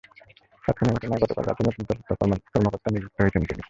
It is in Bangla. সাত খুনের ঘটনায় গতকাল রাতেই নতুন তদন্ত কর্মকর্তা নিযুক্ত হয়েছেন তিনি।